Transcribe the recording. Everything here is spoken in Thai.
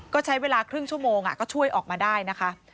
ก็ใช้เวลาครึ่งชั่วโมงก็ช่วยออกมาได้นะคะ